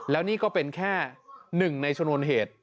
แล้วนี่ก็เป็นแค่หนึ่งในชนวนเหตุ